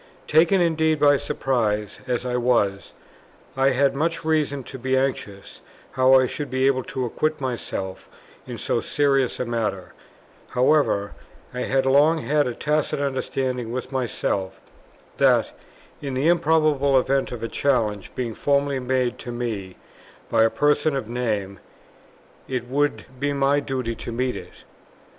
Taken indeed by surprise, as I was, I had much reason to be anxious how I should be able to acquit myself in so serious a matter; however, I had long had a tacit understanding with myself, that, in the improbable event of a challenge being formally made to me, by a person of name, it would be my duty to meet it.